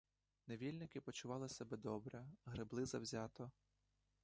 Невільники почували себе добре, гребли завзято.